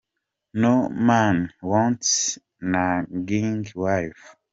No man wants a Nagging wife.